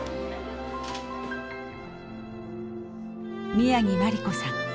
宮城まり子さん。